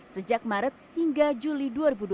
sejak maret hingga juli dua ribu dua puluh